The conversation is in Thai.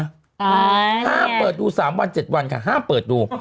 อ๋อนี่ไงห้ามเปิดดู๓วัน๗วันค่ะห้ามเปิดดู